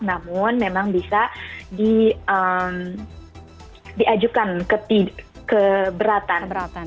namun memang bisa diajukan keberatan